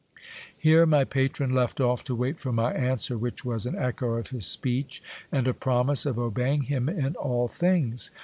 Here my patron left off to wait for my answer, which was an echo of his speech, and a promise of obeying him in all things.